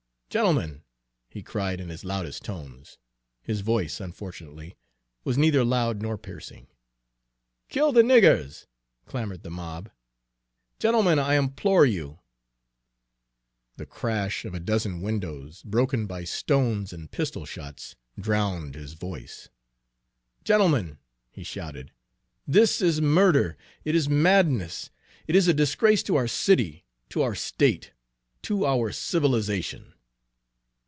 "Gentlemen!" he cried in his loudest tones. His voice, unfortunately, was neither loud nor piercing. "Kill the niggers!" clamored the mob. "Gentlemen, I implore you" The crash of a dozen windows, broken by stones and pistol shots, drowned his voice. "Gentlemen!" he shouted; "this is murder, it is madness; it is a disgrace to our city, to our state, to our civilization!"